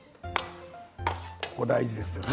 ここ大事ですよね